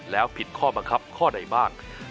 แล้วผิดข้อบังคับข้อใดบ้าง